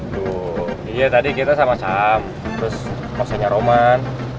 aduh iya tadi kita sama sam terus pasenya roman